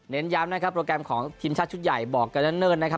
เน้นย้ำนะครับโปรแกรมของทีมชาติชุดใหญ่บอกกันเนิ่น